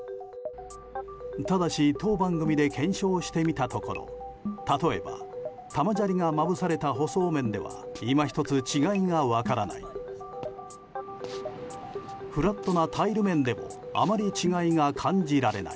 ただし当番組で検証してみたところ例えば、玉砂利がまぶされた舗装面では今一つ違いが分からない。